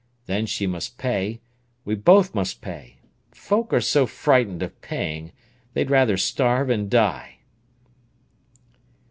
Then she must pay—we both must pay! Folk are so frightened of paying; they'd rather starve and die."